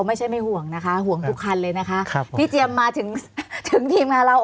ไม่ใช่ไม่ห่วงนะคะห่วงทุกคันเลยนะคะครับพี่เจียมมาถึงถึงทีมงานเรา